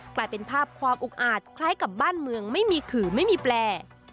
กลายเป็นภาพความอุกอาจคล้ายกับบ้านเมืองไม่มีขื่อไม่มีแปล